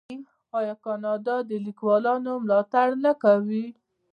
آیا کاناډا د لیکوالانو ملاتړ نه کوي؟